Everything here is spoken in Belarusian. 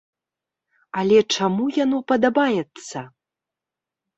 Але чаму яно падабаецца?